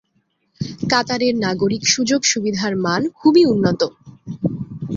কাতারের নাগরিক সুযোগ সুবিধার মান খুবই উন্নত।